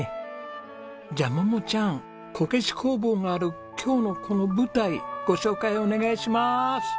じゃあ桃ちゃんこけし工房がある今日のこの舞台ご紹介お願いします！